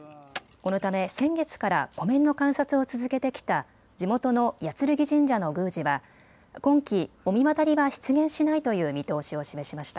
このため先月から湖面の観察を続けてきた地元の八劔神社の宮司は今季、御神渡りは出現しないという見通しを示しました。